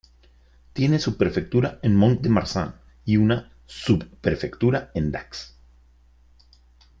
Tiene su prefectura en Mont-de-Marsan, y una subprefectura: en Dax.